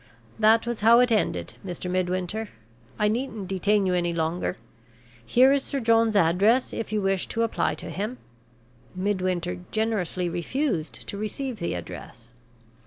That was how it ended, Mr. Midwinter. I needn't detain you any longer here is Sir John's address, if you wish to apply to him." Midwinter generously refused to receive the address.